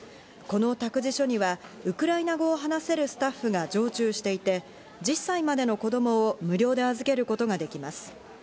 この託児所にはウクライナ語を話せるスタッフが常駐していて、１０歳までの子供を無料で預けることができます。